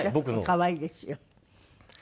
可愛いですよ。